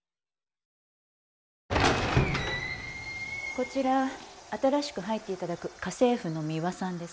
こちら新しく入って頂く家政婦のミワさんです。